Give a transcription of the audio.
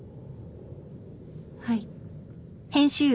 はい。